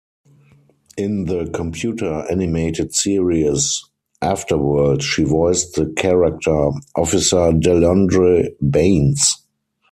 In the computer animated series "Afterworld" she voiced the character Officer Delondre Baines.